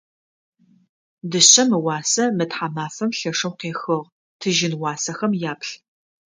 Дышъэм ыуасэ мы тхьамафэм лъэшэу къехыгъ, тыжьын уасэхэм яплъ.